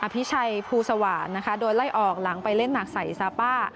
พิชัยภูสวานนะคะโดยไล่ออกหลังไปเล่นหนักใส่ซาป้า